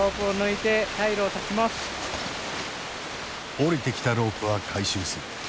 降りてきたロープは回収する。